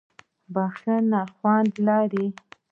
بښنه خوند لري.